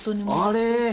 あれ！